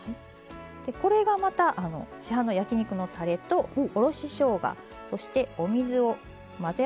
これがまた市販の焼き肉のたれとおろししょうがそしてお水を混ぜ合わせたものになります。